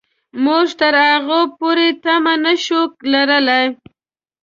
موږ تر هغې پورې تمه نه شو لرلای.